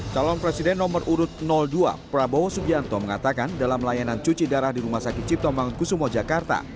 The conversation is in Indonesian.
calon presiden nomor urut dua prabowo subianto mengatakan dalam layanan cuci darah di rumah sakit cipto mangkusumo jakarta